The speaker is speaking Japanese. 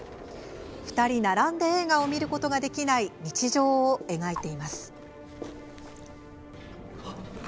２人並んで映画を見ることができない日常を描いています。